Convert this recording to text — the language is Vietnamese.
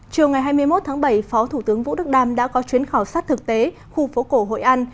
chiều ngày hai mươi một tháng bảy phó thủ tướng vũ đức đam đã có chuyến khảo sát thực tế khu phố cổ hội an